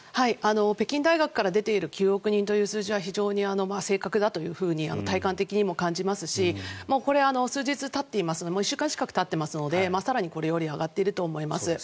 北京大学から出ている９億人という数字は非常に正確だと体感的にも感じますしこれは数日たっていますがもう１週間近くたっていますので更にこれより上がっていると思います。